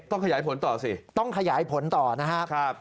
ขยายผลต่อสิต้องขยายผลต่อนะครับ